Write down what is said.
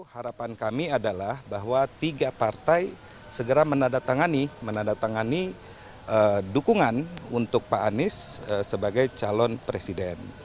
harapan kami adalah bahwa tiga partai segera menandatangani dukungan untuk pak anies sebagai calon presiden